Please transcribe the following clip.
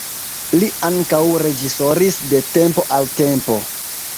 Li ankaŭ reĝisoris de tempo al tempo.